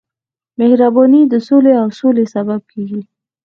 مهرباني د سولې او سولې سبب کېږي.